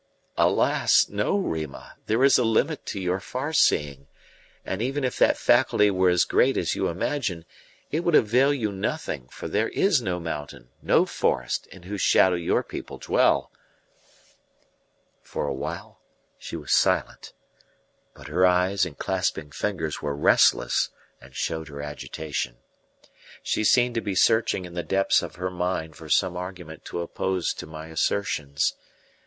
"Alas! no, Rima; there is a limit to your far seeing; and even if that faculty were as great as you imagine, it would avail you nothing, for there is no mountain, no forest, in whose shadow your people dwell." For a while she was silent, but her eyes and clasping fingers were restless and showed her agitation. She seemed to be searching in the depths of her mind for some argument to oppose to my assertions.